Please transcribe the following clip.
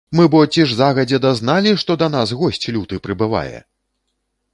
Мы бо ці ж загадзе дазналі, што да нас госць люты прыбывае?!